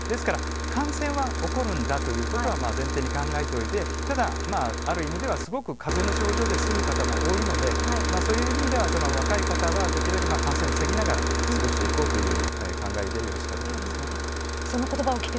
ですから感染は起こるんだということを前提に考えておいてただ、ある意味ではすごく風邪の症状で済む方も多いのでそういう意味では若い方はできるだけ感染を防ぎながら過ごしていこうという考えでよろしいかと思います。